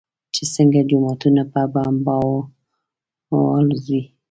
چې څنگه جوماتونه په بمانو الوزوي.